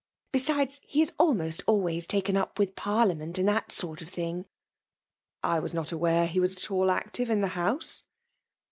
Besides, he is almost always taken up with Parliament and that sort of thing." 1 was not aware that he was at aU aetive in the House?